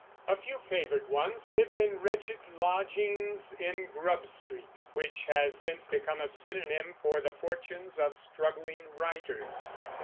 A few favored ones lived in wretched lodgings in Grub Street, which has since become a synonym for the fortunes of struggling writers.